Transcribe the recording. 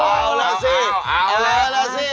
เอาแล้วสิเอาแล้ว